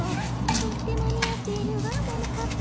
とってもにあっているわももかっぱ。